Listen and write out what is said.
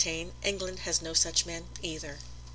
Taine, England has no such men either.